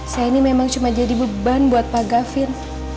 saya ini memang cuma jadi beban buat pak gavin